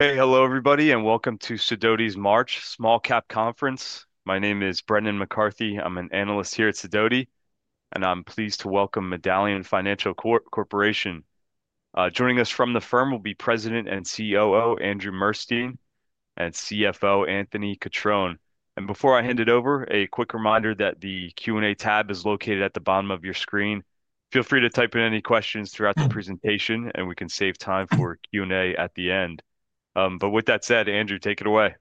Hey, hello everybody, and welcome to Sidoti's March Small Cap Conference. My name is Brendan McCarthy. I'm an analyst here at Sidoti, and I'm pleased to welcome Medallion Financial Corporation. Joining us from the firm will be President and COO Andrew Murstein and CFO Anthony Cutrone. Before I hand it over, a quick reminder that the Q&A tab is located at the bottom of your screen. Feel free to type in any questions throughout the presentation, and we can save time for Q&A at the end. With that said, Andrew, take it away.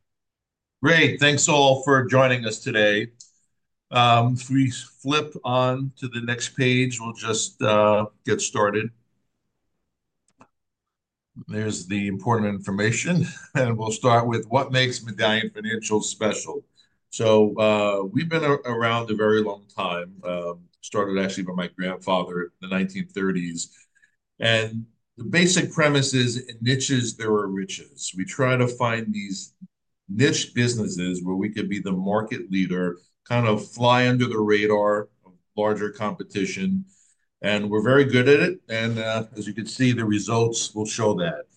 Great. Thanks all for joining us today. If we flip on to the next page, we'll just get started. There's the important information, and we'll start with what makes Medallion Financial special. We've been around a very long time, started actually by my grandfather in the 1930s. The basic premise is in niches, there are riches. We try to find these niche businesses where we could be the market leader, kind of fly under the radar of larger competition. We're very good at it. As you can see, the results will show that.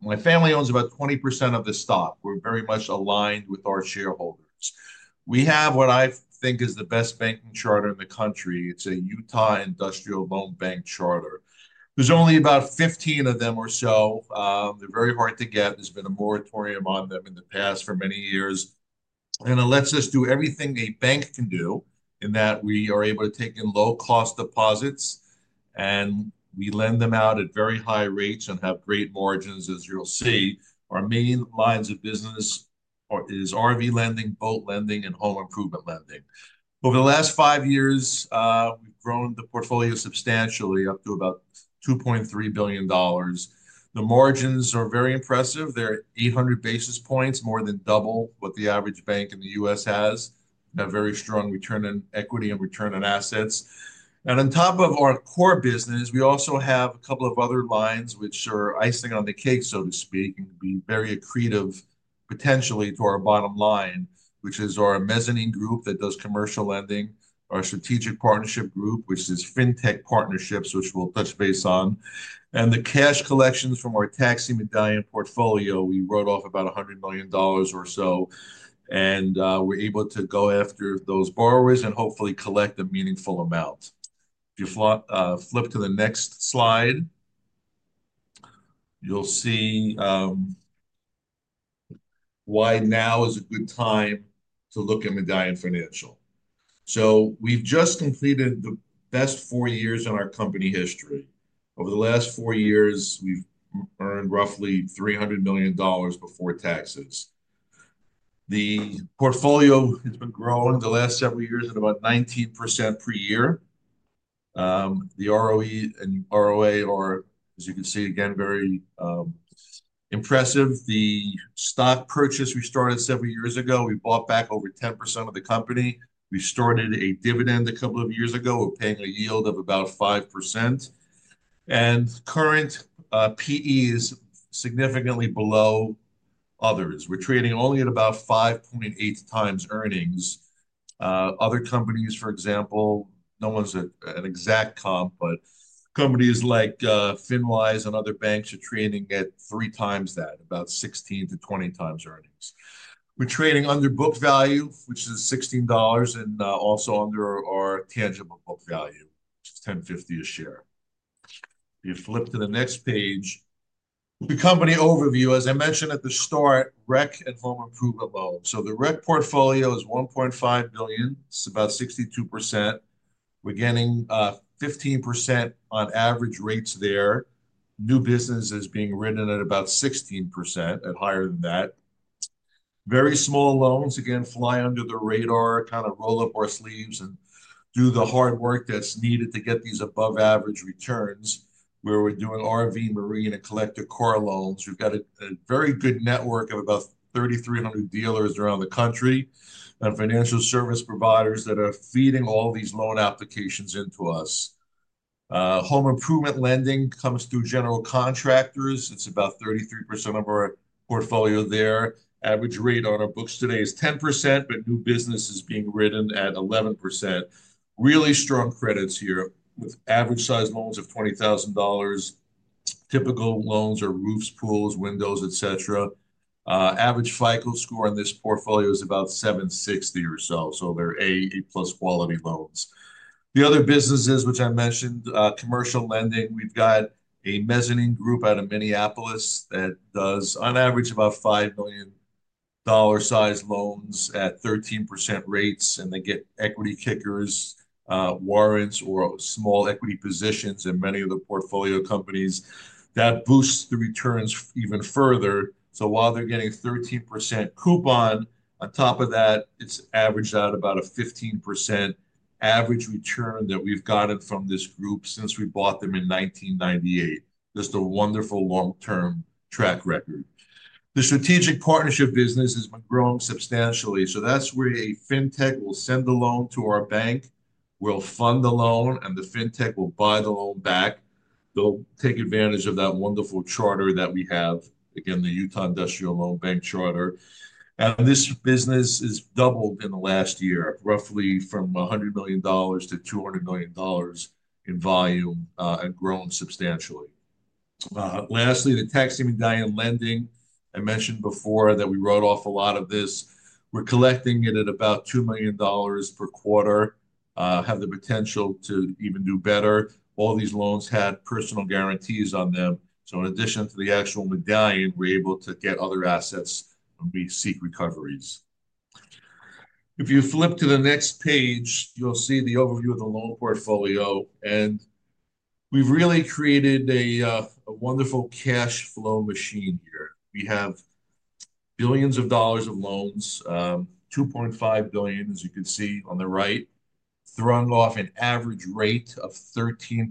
My family owns about 20% of the stock. We're very much aligned with our shareholders. We have what I think is the best banking charter in the country. It's a Utah Industrial Loan Bank charter. There's only about 15 of them or so. They're very hard to get. There's been a moratorium on them in the past for many years. It lets us do everything a bank can do in that we are able to take in low-cost deposits, and we lend them out at very high rates and have great margins, as you'll see. Our main lines of business are RV lending, boat lending, and home improvement lending. Over the last five years, we've grown the portfolio substantially up to about $2.3 billion. The margins are very impressive. They're 800 basis points, more than double what the average bank in the U.S. has. We have very strong return on equity and return on assets. On top of our core business, we also have a couple of other lines which are icing on the cake, so to speak, and can be very accretive potentially to our bottom line, which is our mezzanine group that does commercial lending, our strategic partnership group, which is FinTech Partnerships, which we'll touch base on. The cash collections from our taxi medallion portfolio, we wrote off about $100 million or so. We're able to go after those borrowers and hopefully collect a meaningful amount. If you flip to the next slide, you'll see why now is a good time to look at Medallion Financial. We've just completed the best four years in our company history. Over the last four years, we've earned roughly $300 million before taxes. The portfolio has been growing the last several years at about 19% per year. The ROE and ROA are, as you can see, again, very impressive. The stock purchase we started several years ago, we bought back over 10% of the company. We started a dividend a couple of years ago. We're paying a yield of about 5%. The current PE is significantly below others. We're trading only at about 5.8 times earnings. Other companies, for example, no one's an exact comp, but companies like FinWise and other banks are trading at three times that, about 16-20 times earnings. We're trading under book value, which is $16, and also under our tangible book value, which is $10.50 a share. If you flip to the next page, the company overview, as I mentioned at the start, Rec and home improvement loans. The Rec portfolio is $1.5 billion. It's about 62%. We're getting 15% on average rates there. New business is being written at about 16% and higher than that. Very small loans, again, fly under the radar, kind of roll up our sleeves and do the hard work that's needed to get these above-average returns where we're doing RV, marine, and collector car loans. We've got a very good network of about 3,300 dealers around the country and financial service providers that are feeding all these loan applications into us. Home improvement lending comes through general contractors. It's about 33% of our portfolio there. Average rate on our books today is 10%, but new business is being written at 11%. Really strong credits here with average size loans of $20,000. Typical loans are roofs, pools, windows, etc. Average FICO score on this portfolio is about 760 or so. So they're A, A-plus quality loans. The other businesses, which I mentioned, commercial lending. We've got a mezzanine group out of Minneapolis that does, on average, about $5 million size loans at 13% rates. They get equity kickers, warrants, or small equity positions in many of the portfolio companies. That boosts the returns even further. While they're getting a 13% coupon, on top of that, it's averaged out about a 15% average return that we've gotten from this group since we bought them in 1998. Just a wonderful long-term track record. The strategic partnership business has been growing substantially. That's where a fintech will send the loan to our bank, we will fund the loan, and the fintech will buy the loan back. They'll take advantage of that wonderful charter that we have, again, the Utah Industrial Loan Bank charter. This business has doubled in the last year, roughly from $100 million-$200 million in volume and grown substantially. Lastly, the taxi medallion lending. I mentioned before that we wrote off a lot of this. We're collecting it at about $2 million per quarter, have the potential to even do better. All these loans had personal guarantees on them. In addition to the actual medallion, we're able to get other assets when we seek recoveries. If you flip to the next page, you'll see the overview of the loan portfolio. We've really created a wonderful cash flow machine here. We have billions of dollars of loans, $2.5 billion, as you can see on the right, thrown off an average rate of 13%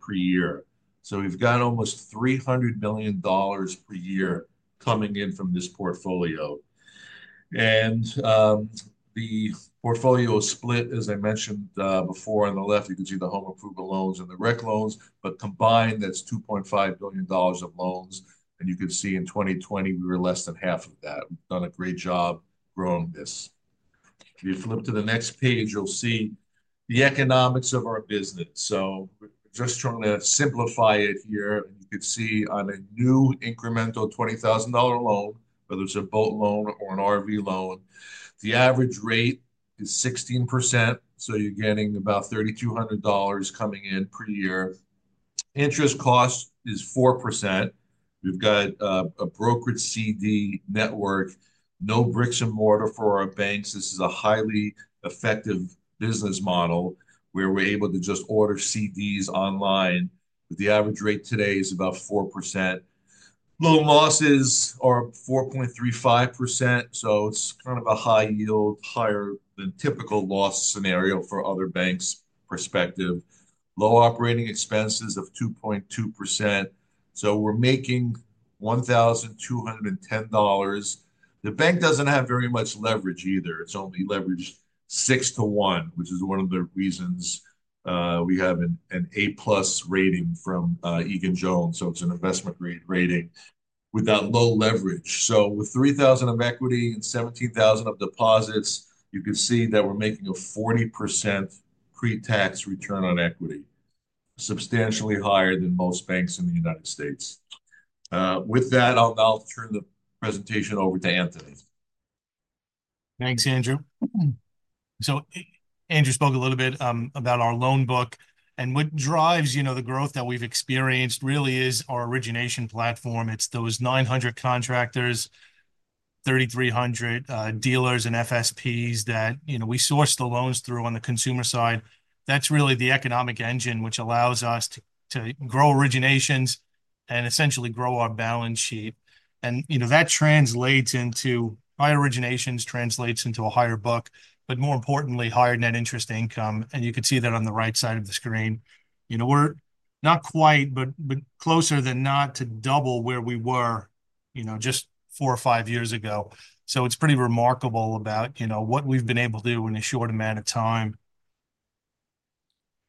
per year. We've got almost $300 million per year coming in from this portfolio. The portfolio is split, as I mentioned before. On the left, you can see the home improvement loans and the REC loans. Combined, that's $2.5 billion of loans. You can see in 2020, we were less than half of that. We've done a great job growing this. If you flip to the next page, you'll see the economics of our business. We're just trying to simplify it here. You can see on a new incremental $20,000 loan, whether it's a boat loan or an RV loan, the average rate is 16%. You're getting about $3,200 coming in per year. Interest cost is 4%. We've got a brokered CD network, no bricks and mortar for our banks. This is a highly effective business model where we're able to just order CDs online. The average rate today is about 4%. Loan losses are 4.35%. It's kind of a high yield, higher than typical loss scenario for other banks' perspective. Low operating expenses of 2.2%. We're making $1,210. The bank doesn't have very much leverage either. It's only leveraged 6 to 1, which is one of the reasons we have an A-plus rating from Egan-Jones. It's an investment grade rating with that low leverage. With $3,000 of equity and $17,000 of deposits, you can see that we're making a 40% pre-tax return on equity, substantially higher than most banks in the United States. With that, I'll now turn the presentation over to Anthony. Thanks, Andrew. Andrew spoke a little bit about our loan book. What drives the growth that we've experienced really is our origination platform. It's those 900 contractors, 3,300 dealers, and FSPs that we source the loans through on the consumer side. That's really the economic engine which allows us to grow originations and essentially grow our balance sheet. That translates into higher originations, translates into a higher book, but more importantly, higher net interest income. You can see that on the right side of the screen. We're not quite, but closer than not to double where we were just four or five years ago. It's pretty remarkable about what we've been able to do in a short amount of time.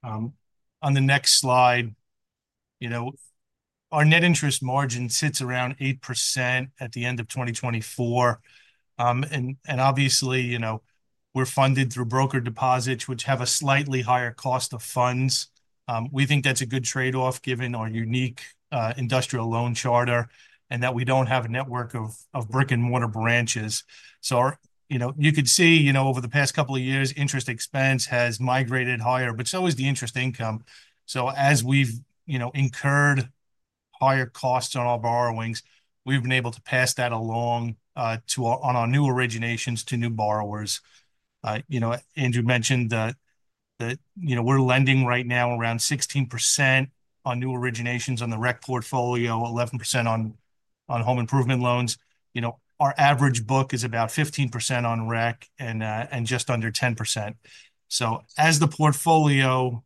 On the next slide, our net interest margin sits around 8% at the end of 2024. Obviously, we're funded through broker deposits, which have a slightly higher cost of funds. We think that's a good trade-off given our unique industrial loan charter and that we don't have a network of brick-and-mortar branches. You can see over the past couple of years, interest expense has migrated higher, but so has the interest income. As we've incurred higher costs on our borrowings, we've been able to pass that along on our new originations to new borrowers. Andrew mentioned that we're lending right now around 16% on new originations on the REC portfolio, 11% on home improvement loans. Our average book is about 15% on REC and just under 10%. As the portfolio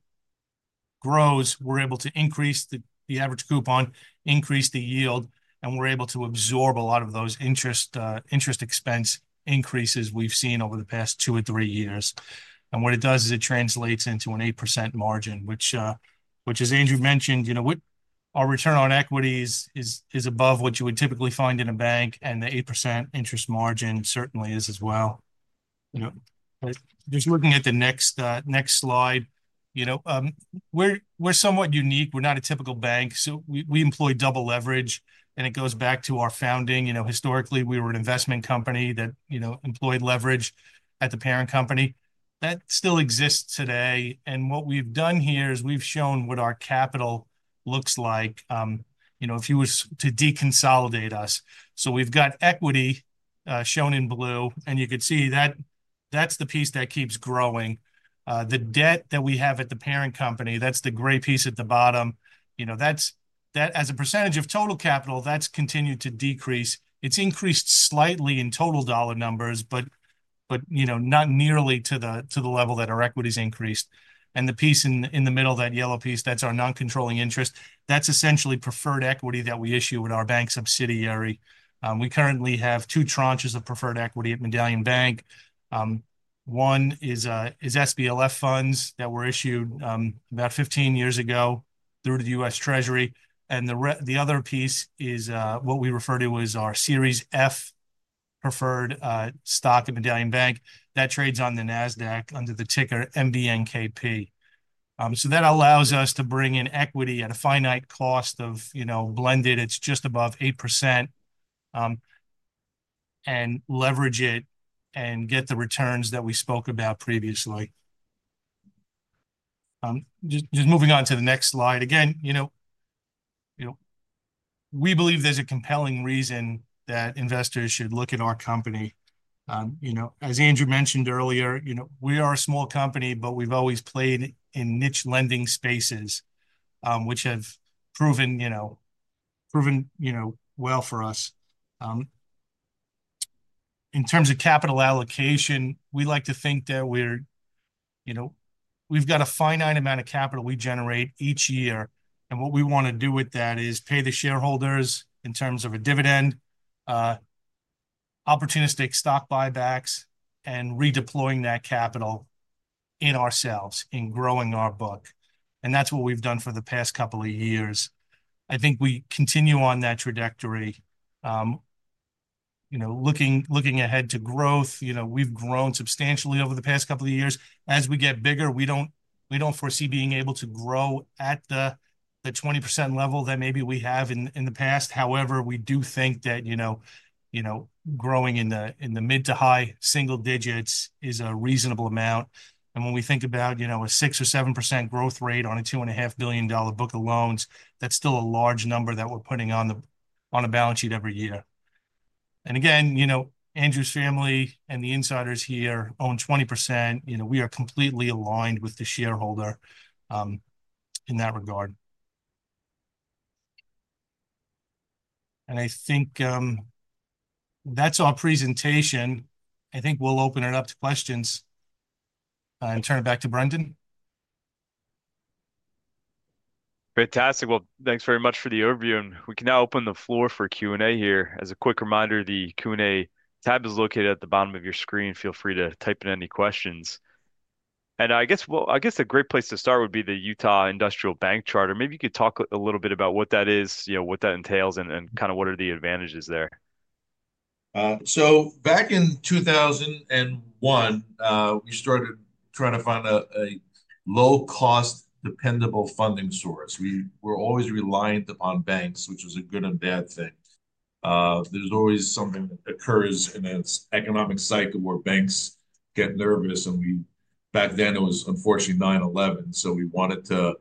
grows, we're able to increase the average coupon, increase the yield, and we're able to absorb a lot of those interest expense increases we've seen over the past two or three years. What it does is it translates into an 8% margin, which, as Andrew mentioned, our return on equities is above what you would typically find in a bank, and the 8% interest margin certainly is as well. Just looking at the next slide, we're somewhat unique. We're not a typical bank. We employ double leverage, and it goes back to our founding. Historically, we were an investment company that employed leverage at the parent company. That still exists today. What we've done here is we've shown what our capital looks like if you were to deconsolidate us. We've got equity shown in blue, and you can see that's the piece that keeps growing. The debt that we have at the parent company, that's the gray piece at the bottom. As a percentage of total capital, that's continued to decrease. It's increased slightly in total dollar numbers, but not nearly to the level that our equities increased. The piece in the middle, that yellow piece, that's our non-controlling interest. That's essentially preferred equity that we issue with our bank subsidiary. We currently have two tranches of preferred equity at Medallion Bank. One is SBLF funds that were issued about 15 years ago through the U.S. Treasury. The other piece is what we refer to as our Series F preferred stock at Medallion Bank. That trades on the NASDAQ under the ticker MBNKP. That allows us to bring in equity at a finite cost of blended. It's just above 8% and leverage it and get the returns that we spoke about previously. Moving on to the next slide. Again, we believe there's a compelling reason that investors should look at our company. As Andrew mentioned earlier, we are a small company, but we've always played in niche lending spaces, which have proven well for us. In terms of capital allocation, we like to think that we've got a finite amount of capital we generate each year. What we want to do with that is pay the shareholders in terms of a dividend, opportunistic stock buybacks, and redeploying that capital in ourselves in growing our book. That's what we've done for the past couple of years. I think we continue on that trajectory. Looking ahead to growth, we've grown substantially over the past couple of years. As we get bigger, we don't foresee being able to grow at the 20% level that maybe we have in the past. However, we do think that growing in the mid to high single digits is a reasonable amount. When we think about a 6% or 7% growth rate on a $2.5 billion book of loans, that's still a large number that we're putting on the balance sheet every year. Andrew's family and the insiders here own 20%. We are completely aligned with the shareholder in that regard. I think that's our presentation. I think we'll open it up to questions and turn it back to Brendan. Fantastic. Thanks very much for the overview. We can now open the floor for Q&A here. As a quick reminder, the Q&A tab is located at the bottom of your screen. Feel free to type in any questions. I guess a great place to start would be the Utah Industrial Bank charter. Maybe you could talk a little bit about what that is, what that entails, and kind of what are the advantages there. Back in 2001, we started trying to find a low-cost, dependable funding source. We were always reliant upon banks, which was a good and bad thing. There's always something that occurs in an economic cycle where banks get nervous. Back then, it was unfortunately 9/11. We wanted to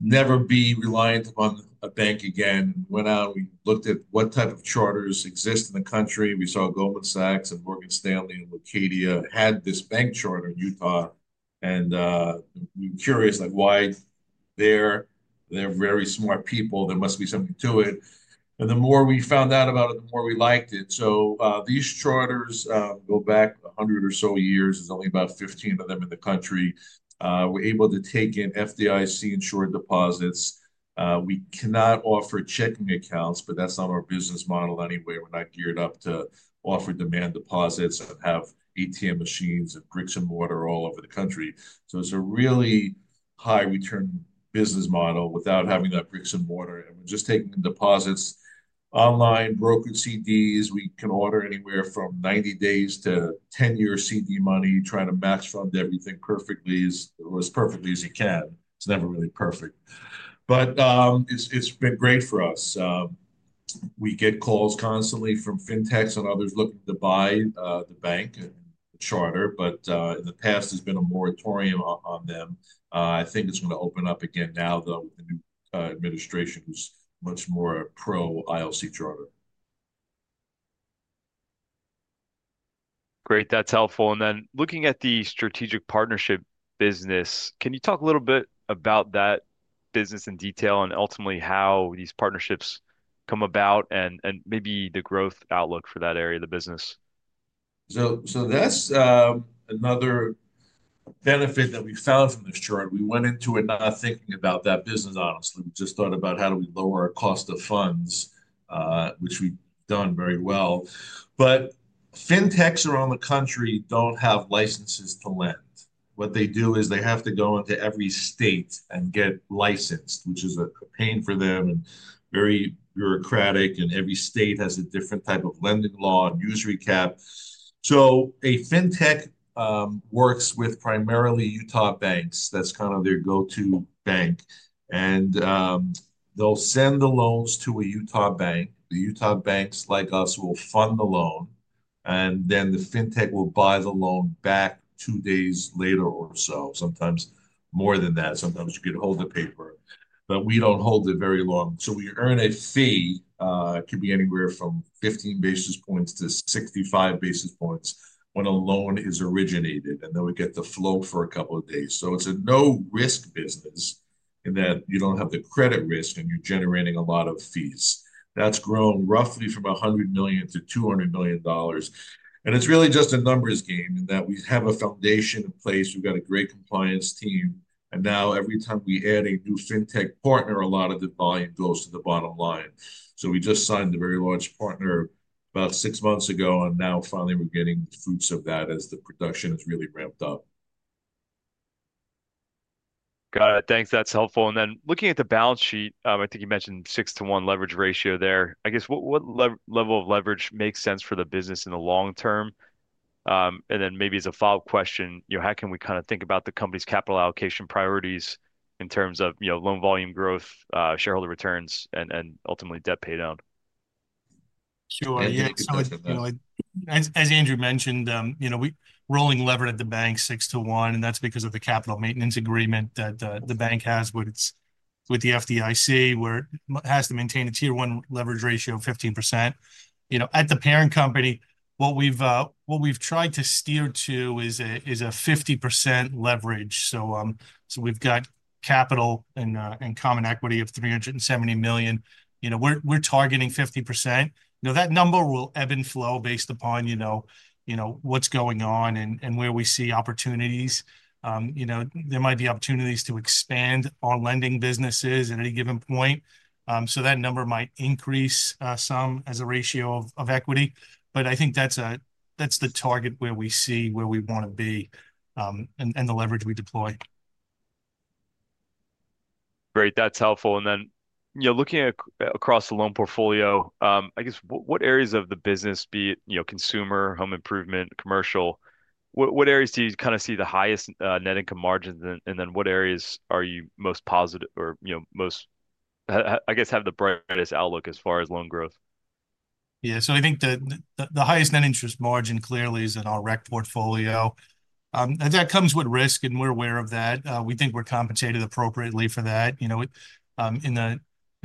never be reliant upon a bank again. We went out and we looked at what type of charters exist in the country. We saw Goldman Sachs and Morgan Stanley and Leucadia had this bank charter in Utah. We were curious why they're very smart people. There must be something to it. The more we found out about it, the more we liked it. These charters go back 100 or so years. There's only about 15 of them in the country. We're able to take in FDIC-insured deposits. We cannot offer checking accounts, but that's not our business model anyway. We're not geared up to offer demand deposits and have ATM machines and bricks and mortar all over the country. It is a really high-return business model without having that bricks and mortar. We are just taking deposits online, brokered CDs. We can order anywhere from 90 days to 10-year CD money, trying to max fund everything perfectly or as perfectly as you can. It is never really perfect. It has been great for us. We get calls constantly from fintechs and others looking to buy the bank and the charter. In the past, there has been a moratorium on them. I think it is going to open up again now, though, with the new administration, who is much more pro ILC charter. Great. That's helpful. Looking at the strategic partnership business, can you talk a little bit about that business in detail and ultimately how these partnerships come about and maybe the growth outlook for that area, the business? That is another benefit that we found from this charter. We went into it not thinking about that business, honestly. We just thought about how do we lower our cost of funds, which we have done very well. Fintechs around the country do not have licenses to lend. What they do is they have to go into every state and get licensed, which is a pain for them and very bureaucratic. Every state has a different type of lending law and usury cap. A fintech works with primarily Utah banks. That is kind of their go-to bank. They will send the loans to a Utah bank. The Utah banks like us will fund the loan. The fintech will buy the loan back two days later or so, sometimes more than that. Sometimes you get to hold the paper. We do not hold it very long. We earn a fee. It could be anywhere from 15 basis points to 65 basis points when a loan is originated. Then we get the flow for a couple of days. It is a no-risk business in that you do not have the credit risk and you are generating a lot of fees. That has grown roughly from $100 million-$200 million. It is really just a numbers game in that we have a foundation in place. We have got a great compliance team. Now every time we add a new fintech partner, a lot of the volume goes to the bottom line. We just signed a very large partner about six months ago. Now finally, we are getting the fruits of that as the production has really ramped up. Got it. Thanks. That's helpful. Looking at the balance sheet, I think you mentioned 6 to 1 leverage ratio there. I guess what level of leverage makes sense for the business in the long term? Maybe as a follow-up question, how can we kind of think about the company's capital allocation priorities in terms of loan volume growth, shareholder returns, and ultimately debt paydown? Sure. Yeah. As Andrew mentioned, we're rolling lever at the bank 6 to 1. That is because of the capital maintenance agreement that the bank has with the FDIC, where it has to maintain a tier-one leverage ratio of 15%. At the parent company, what we've tried to steer to is a 50% leverage. We've got capital and common equity of $370 million. We're targeting 50%. That number will ebb and flow based upon what's going on and where we see opportunities. There might be opportunities to expand our lending businesses at any given point. That number might increase some as a ratio of equity. I think that's the target where we see where we want to be and the leverage we deploy. Great. That's helpful. Looking across the loan portfolio, I guess what areas of the business, be it consumer, home improvement, commercial, what areas do you kind of see the highest net income margins? What areas are you most positive or most, I guess, have the brightest outlook as far as loan growth? Yeah. I think the highest net interest margin clearly is in our REC portfolio. That comes with risk, and we're aware of that. We think we're compensated appropriately for that. In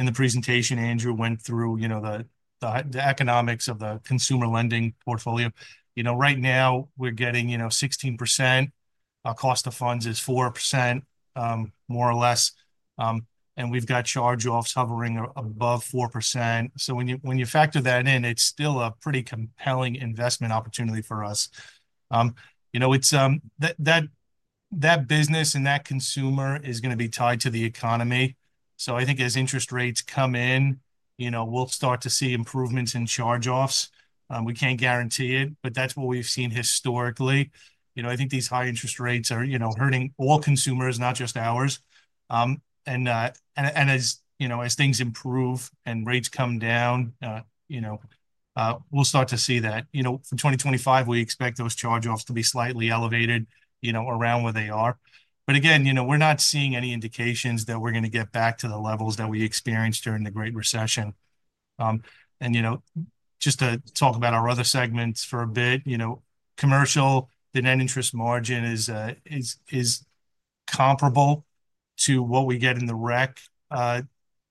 the presentation, Andrew went through the economics of the consumer lending portfolio. Right now, we're getting 16%. Our cost of funds is 4%, more or less. We've got charge-offs hovering above 4%. When you factor that in, it's still a pretty compelling investment opportunity for us. That business and that consumer is going to be tied to the economy. I think as interest rates come in, we'll start to see improvements in charge-offs. We can't guarantee it, but that's what we've seen historically. I think these high interest rates are hurting all consumers, not just ours. As things improve and rates come down, we'll start to see that. For 2025, we expect those charge-offs to be slightly elevated around where they are. Again, we're not seeing any indications that we're going to get back to the levels that we experienced during the Great Recession. Just to talk about our other segments for a bit, commercial, the net interest margin is comparable to what we get in the REC. The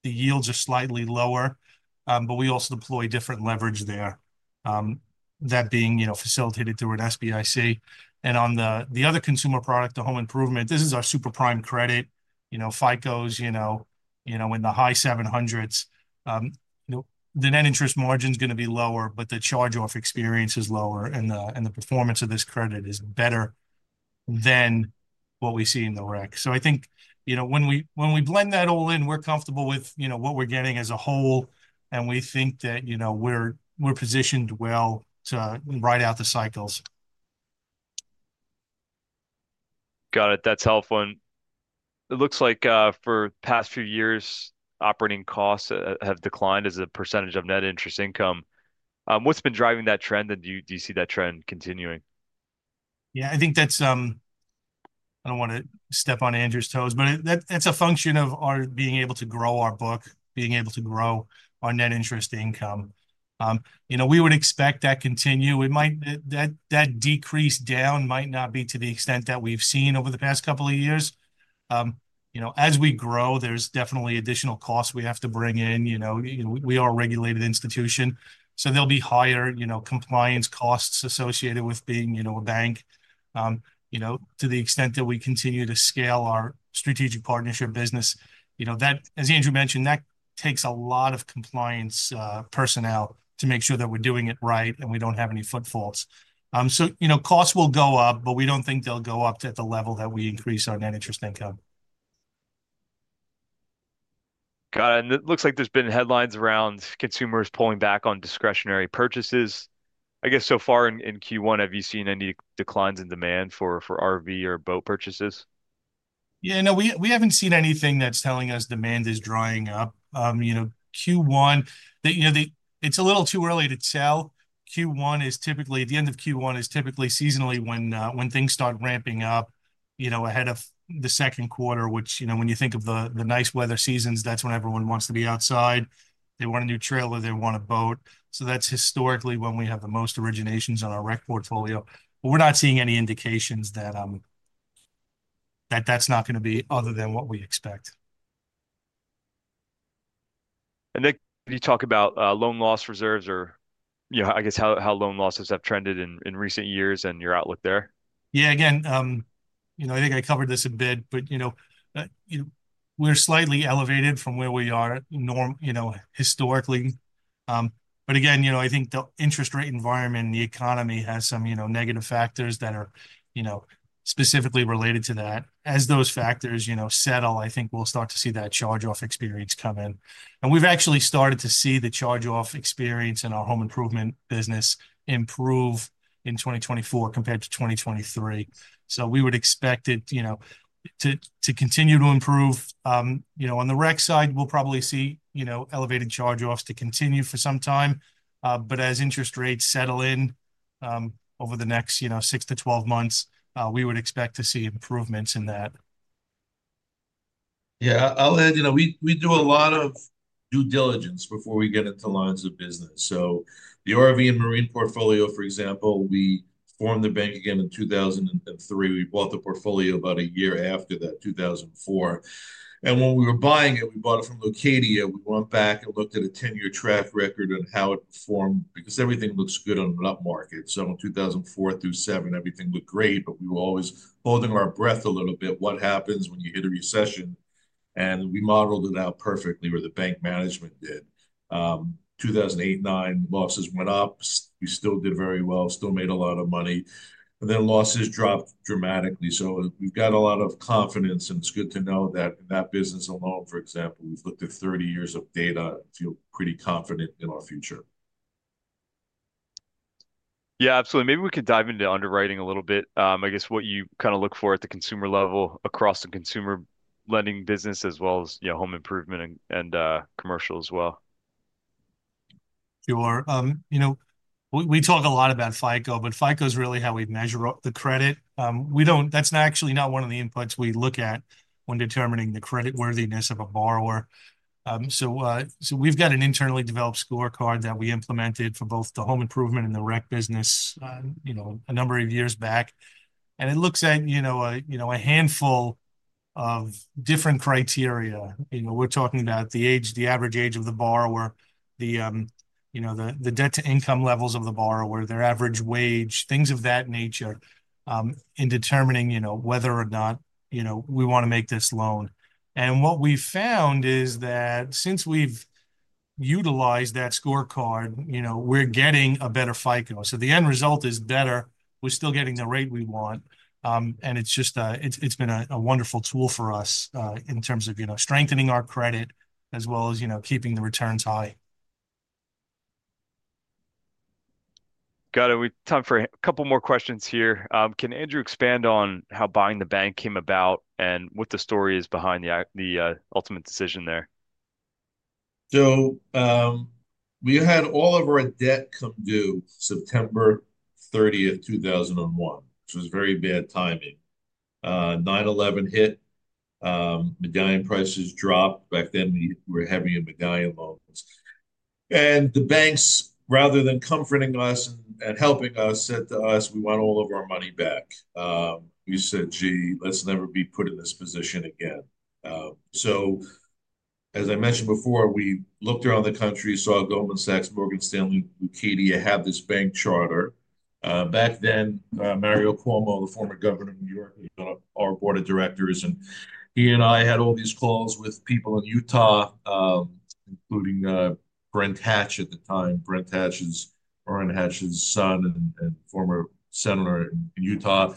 yields are slightly lower, but we also deploy different leverage there, that being facilitated through an SBIC. On the other consumer product, the home improvement, this is our super prime credit, FICOs, in the high 700s. The net interest margin is going to be lower, but the charge-off experience is lower. The performance of this credit is better than what we see in the REC. I think when we blend that all in, we're comfortable with what we're getting as a whole. We think that we're positioned well to ride out the cycles. Got it. That's helpful. It looks like for the past few years, operating costs have declined as a percentage of net interest income. What's been driving that trend? Do you see that trend continuing? Yeah. I think that's—I don't want to step on Andrew's toes—but that's a function of our being able to grow our book, being able to grow our net interest income. We would expect that to continue. That decrease down might not be to the extent that we've seen over the past couple of years. As we grow, there's definitely additional costs we have to bring in. We are a regulated institution. There will be higher compliance costs associated with being a bank to the extent that we continue to scale our strategic partnership business. As Andrew mentioned, that takes a lot of compliance personnel to make sure that we're doing it right and we don't have any footfalls. Costs will go up, but we don't think they'll go up to the level that we increase our net interest income. Got it. It looks like there's been headlines around consumers pulling back on discretionary purchases. I guess so far in Q1, have you seen any declines in demand for RV or boat purchases? Yeah. No, we haven't seen anything that's telling us demand is drying up. Q1, it's a little too early to tell. Q1 is typically—the end of Q1 is typically seasonally when things start ramping up ahead of the second quarter, which when you think of the nice weather seasons, that's when everyone wants to be outside. They want a new trailer. They want a boat. That is historically when we have the most originations on our REC portfolio. We are not seeing any indications that that's not going to be other than what we expect. Nick, can you talk about loan loss reserves or, I guess, how loan losses have trended in recent years and your outlook there? Yeah. Again, I think I covered this a bit, but we're slightly elevated from where we are historically. I think the interest rate environment and the economy has some negative factors that are specifically related to that. As those factors settle, I think we'll start to see that charge-off experience come in. We've actually started to see the charge-off experience in our home improvement business improve in 2024 compared to 2023. We would expect it to continue to improve. On the REC side, we'll probably see elevated charge-offs continue for some time. As interest rates settle in over the next 6-12 months, we would expect to see improvements in that. Yeah. I'll add we do a lot of due diligence before we get into lines of business. The RV and marine portfolio, for example, we formed the bank again in 2003. We bought the portfolio about a year after that, 2004. When we were buying it, we bought it from Lendia. We went back and looked at a 10-year track record and how it performed because everything looks good on an upmarket. In 2004 through 2007, everything looked great. We were always holding our breath a little bit. What happens when you hit a recession? We modeled it out perfectly where the bank management did. In 2008, 2009, losses went up. We still did very well, still made a lot of money. Losses dropped dramatically. We've got a lot of confidence. It's good to know that in that business alone, for example, we've looked at 30 years of data and feel pretty confident in our future. Yeah. Absolutely. Maybe we could dive into underwriting a little bit. I guess what you kind of look for at the consumer level across the consumer lending business as well as home improvement and commercial as well. Sure. We talk a lot about FICO, but FICO is really how we measure the credit. That's actually not one of the inputs we look at when determining the creditworthiness of a borrower. We have an internally developed scorecard that we implemented for both the home improvement and the REC business a number of years back. It looks at a handful of different criteria. We are talking about the average age of the borrower, the debt-to-income levels of the borrower, their average wage, things of that nature in determining whether or not we want to make this loan. What we found is that since we have utilized that scorecard, we are getting a better FICO. The end result is better. We are still getting the rate we want. It has been a wonderful tool for us in terms of strengthening our credit as well as keeping the returns high. Got it. We have time for a couple more questions here. Can Andrew expand on how buying the bank came about and what the story is behind the ultimate decision there? We had all of our debt come due September 30, 2001, which was very bad timing. 9/11 hit. Medallion prices dropped. Back then, we were heavy in medallion loans. The banks, rather than comforting us and helping us, said to us, "We want all of our money back." We said, "Gee, let's never be put in this position again." As I mentioned before, we looked around the country, saw Goldman Sachs, Morgan Stanley, and Ladenburg Thalmann have this bank charter. Back then, Mario Cuomo, the former governor of New York, had been on our board of directors. He and I had all these calls with people in Utah, including Brent Hatch at the time, Brent Hatch's son and former senator in Utah.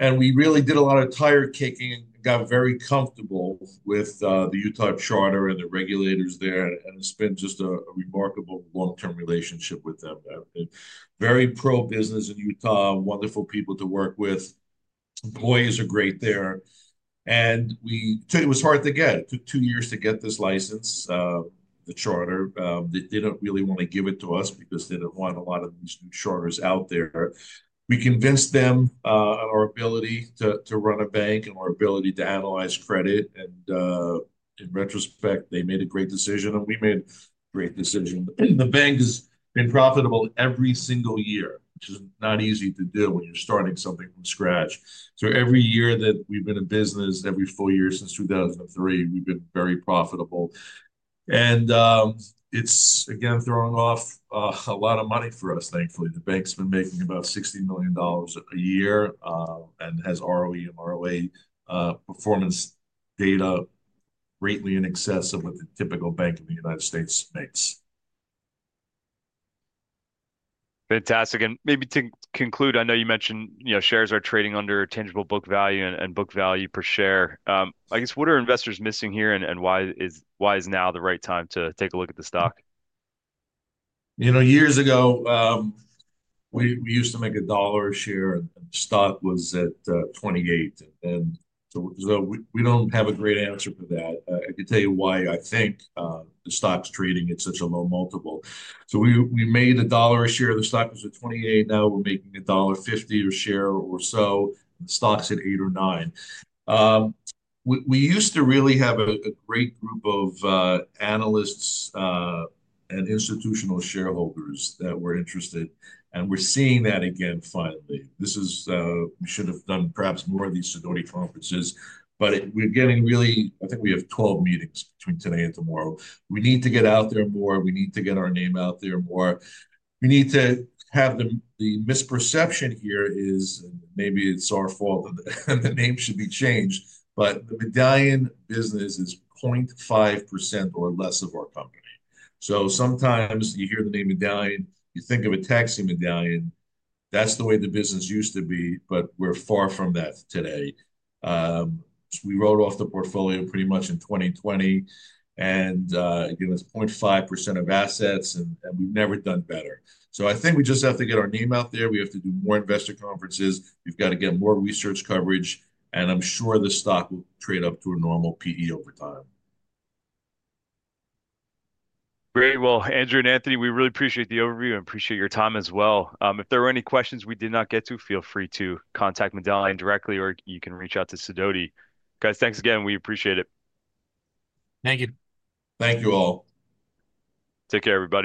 We really did a lot of tire-kicking and got very comfortable with the Utah charter and the regulators there. It has been just a remarkable long-term relationship with them. Very pro-business in Utah, wonderful people to work with. Employees are great there. It was hard to get. It took two years to get this license, the charter. They did not really want to give it to us because they did not want a lot of these new charters out there. We convinced them on our ability to run a bank and our ability to analyze credit. In retrospect, they made a great decision, and we made a great decision. The bank has been profitable every single year, which is not easy to do when you are starting something from scratch. Every year that we have been in business, every full year since 2003, we have been very profitable. It is, again, throwing off a lot of money for us, thankfully. The bank's been making about $60 million a year and has ROE and ROA performance data greatly in excess of what the typical bank in the U.S. makes. Fantastic. Maybe to conclude, I know you mentioned shares are trading under tangible book value and book value per share. I guess what are investors missing here and why is now the right time to take a look at the stock? Years ago, we used to make a dollar a share, and the stock was at $28. We do not have a great answer for that. I can tell you why I think the stock's trading at such a low multiple. We made a dollar a share. The stock was at $28. Now we're making $1.50 a share or so. The stock's at $8 or $9. We used to really have a great group of analysts and institutional shareholders that were interested. We're seeing that again finally. We should have done perhaps more of these Sidoti conferences, but we're getting really—I think we have 12 meetings between today and tomorrow. We need to get out there more. We need to get our name out there more. We need to have the misperception here is maybe it's our fault and the name should be changed, but the medallion business is 0.5% or less of our company. Sometimes you hear the name medallion, you think of a taxi medallion. That's the way the business used to be, but we're far from that today. We wrote off the portfolio pretty much in 2020. It's 0.5% of assets, and we've never done better. I think we just have to get our name out there. We have to do more investor conferences. We've got to get more research coverage. I'm sure the stock will trade up to a normal PE over time. Very well. Andrew and Anthony, we really appreciate the overview. I appreciate your time as well. If there are any questions we did not get to, feel free to contact Medallion directly, or you can reach out to Sidoti. Guys, thanks again. We appreciate it. Thank you. Thank you all. Take care, everybody.